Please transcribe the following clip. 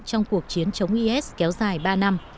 trong cuộc chiến chống is kéo dài ba năm